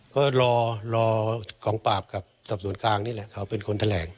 ก็รอกองปราบกับสับสนข้างนี่แหละ